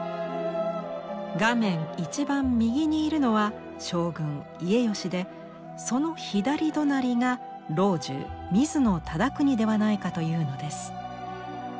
画面一番右にいるのは将軍家慶でその左隣が老中水野忠邦ではないかというのです。